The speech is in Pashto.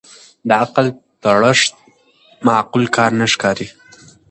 د عقل تړښت معقول کار نه ښکاري